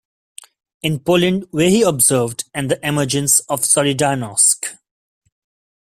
In Poland where he observed and the emergence of Solidarnosc.